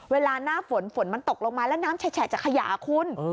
เวลาหน้าฝนฝนมันตกลงมาแล้วน้ำแฉะจะขยายคุณ